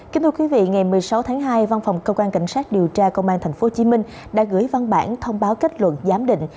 kính thưa quý vị ngày một mươi sáu tháng hai văn phòng cơ quan cảnh sát điều tra công an tp hcm đã gửi văn bản thông báo kết luận giám định